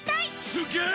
すげえ！